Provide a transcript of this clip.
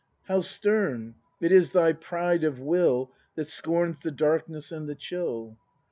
] How stern! It is thy pride of will. That scorns the darkness and the chill.